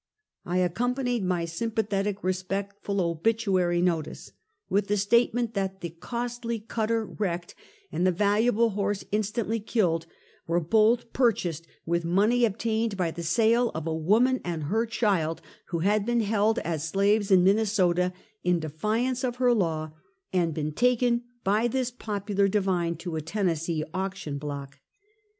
I accompanied my sympathetic, respectful obituary notice, with the statement that the costly cutter wrecked, and the valuable horse instantly killed, were both purchased with money obtained by the sale of a woman and her child, who had been held as slaves in Minnesota, in defiance of her law, and been ta ken by this popular divine to a Tennessee auction block.